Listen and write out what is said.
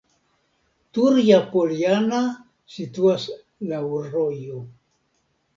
Turja-Poljana situas laŭ rojo.